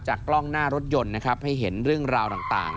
กล้องหน้ารถยนต์นะครับให้เห็นเรื่องราวต่าง